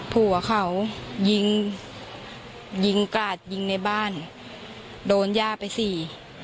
ผัวเขายิงยิงกราดยิงในบ้านโดนย่าไปสี่